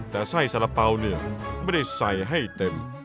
แต่ไส้สาระเป๋าเนี่ยไม่ได้ใส่ให้เต็ม